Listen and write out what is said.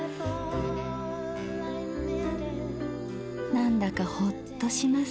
なんだかホッとします。